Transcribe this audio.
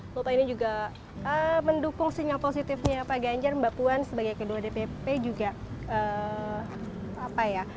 bapak ini juga mendukung sinyal positifnya pak ganjar mbak puan sebagai kedua dpp juga apa ya